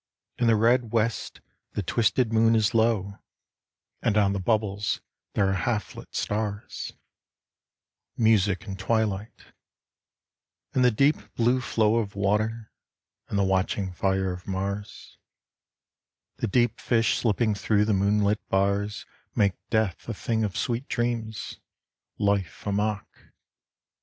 In the red West the twisted moon is low, MUSIC ON WATER 67 And on the bubbles there are half Ht stars : Music and twilight : and the deep blue flow Of water : and the watching fire of Mars : The deep fish slipping thro' the moonlit bars Make Death a thing of sweet dreams, life a mock.